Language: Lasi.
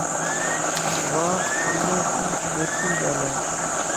وامانسين ڪوتي ڳالھائي